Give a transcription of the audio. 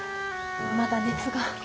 まだ熱が。